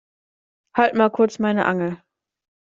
Halt mal kurz meine Angel.